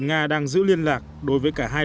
nga đang giữ liên lạc đối với cả hai